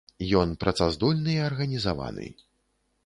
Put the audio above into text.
Ён працаздольны і арганізаваны.